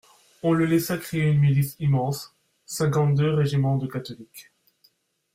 On le laissa créer une milice immense, cinquante-deux régiments de catholiques.